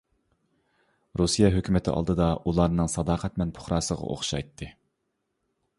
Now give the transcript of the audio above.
رۇسىيە ھۆكۈمىتى ئالدىدا ئۇلارنىڭ ساداقەتمەن پۇقراسىغا ئوخشايتتى.